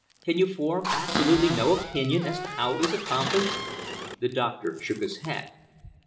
"Can you form absolutely no opinion as to how it was accomplished?" The doctor shook his head.